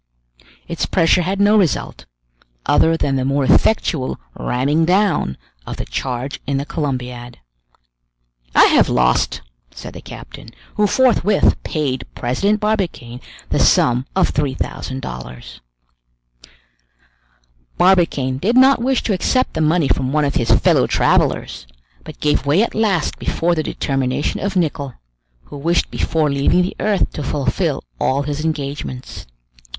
Its pressure had no result, other than the more effectual ramming down of the charge in the Columbiad. "I have lost," said the captain, who forthwith paid President Barbicane the sum of three thousand dollars. Barbicane did not wish to accept the money from one of his fellow travelers, but gave way at last before the determination of Nicholl, who wished before leaving the earth to fulfill all his engagements.